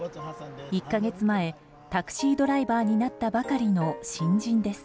１か月前、タクシードライバーになったばかりの新人です。